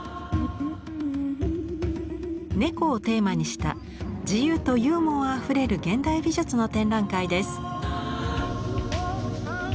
猫をテーマにした自由とユーモアあふれる現代美術の展覧会です。